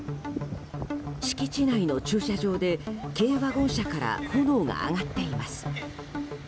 敷地内の駐車場で軽ワゴン車から炎が上がっています。